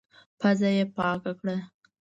پزه يې پاکه کړه.